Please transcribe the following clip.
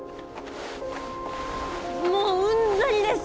もううんざりです